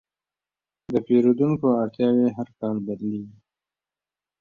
د پیرودونکو اړتیاوې هر کال بدلېږي.